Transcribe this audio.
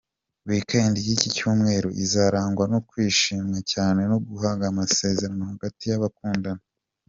Weekend y’iki cyumweru, izarangwa no kwishima cyane no guhana amasezerano hagati y’abakundana.